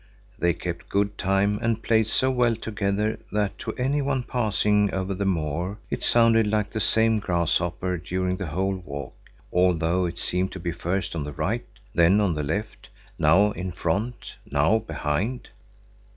They kept good time and played so well together, that to any one passing over the moor it sounded like the same grasshopper during the whole walk, although it seemed to be first on the right, then on the left; now in front, now behind.